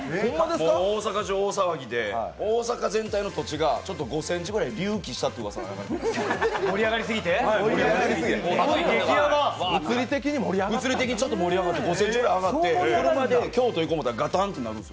大阪中大騒ぎで、大阪全体の土地がちょっと５ｃｍぐらい隆起したといううわさが出ています。